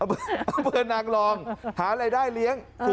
เอาเปิดนางรองหาอะไรได้เลี้ยง